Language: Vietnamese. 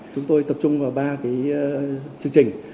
chúng tôi tập trung vào ba chương trình